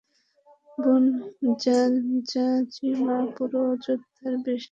বনূ যাজিমা পুরো যোদ্ধার বেশে ময়দানে নেমে আসে।